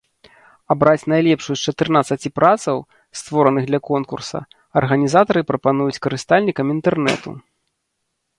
Абраць найлепшую з чатырнаццаці працаў, створаных для конкурса, арганізатары прапануюць карыстальнікам інтэрнэту.